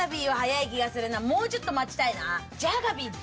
もうちょっと待ちたいな。